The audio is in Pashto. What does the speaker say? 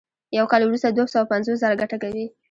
یو کال وروسته دوه سوه پنځوس زره ګټه کوي